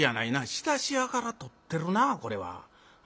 仕出し屋から取ってるなこれは。